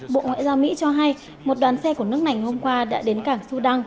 bộ ngoại giao mỹ cho hay một đoàn xe của nước này hôm qua đã đến cảng sudan